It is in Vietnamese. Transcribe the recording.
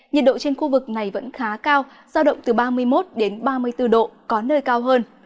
nhiệt độ trên khu vực này vẫn khá cao giao động từ ba mươi một đến ba mươi bốn độ có nơi cao hơn